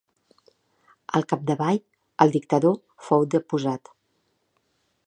Al capdavall, el dictador fou deposat.